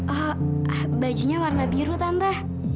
ah bajunya warna biru tante